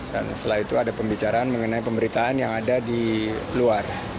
dan setelah itu ada pembicaraan mengenai pemberitaan yang ada di luar